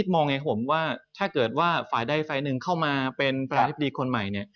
ถ้าเกิดว่าฝ่ายได้ฝ่ายหนึ่งเข้ามาเป็นประหลาดฤทธิคนใหม่